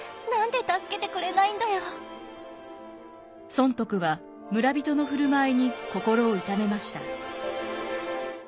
尊徳は村人の振る舞いに心を痛めました。